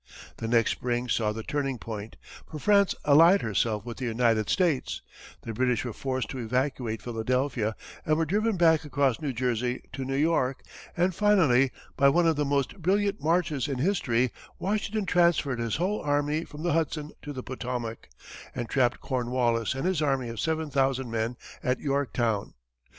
The next spring saw the turning point, for France allied herself with the United States; the British were forced to evacuate Philadelphia and were driven back across New Jersey to New York; and, finally, by one of the most brilliant marches in history, Washington transferred his whole army from the Hudson to the Potomac, and trapped Cornwallis and his army of seven thousand men at Yorktown.